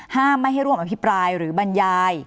ไม่ให้ร่วมอภิปรายหรือบรรยาย